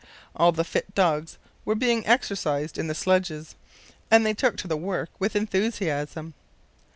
All the fit dogs were being exercised in the sledges, and they took to the work with enthusiasm.